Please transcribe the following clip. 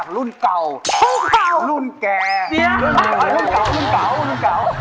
พุ่งเก่ารุ่นแก่รุ่นเก่ารุ่นเก่า